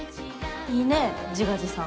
いいね自画自賛。